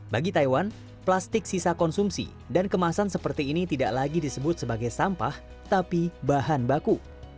bagi taiwan plastik sisa konsumsi dan kemasan seperti ini tidak lagi disebut sebagai sampah tapi bahan baku